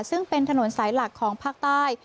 ซึ่งเป็นถนนสายหลักของภาคใต้